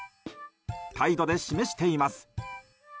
態度で示しています。